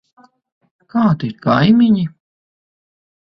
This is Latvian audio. Kādi ir kaimiņi?